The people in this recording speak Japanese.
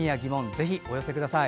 ぜひお寄せください。